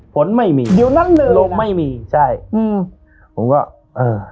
ฝนไม่มีเดี๋ยวนั้นเลยลมไม่มีใช่อืมผมก็เออ